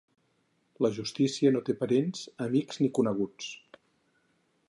La justícia no té parents, amics ni coneguts.